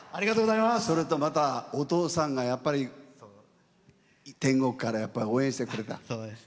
それと、お父さんが天国から応援してくれた。